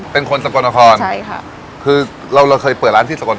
เป็นคนสกลนครใช่ค่ะคือเราเราเคยเปิดร้านที่สกล